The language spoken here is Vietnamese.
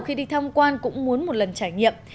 khi đi tham quan cũng muốn một lần trải nghiệm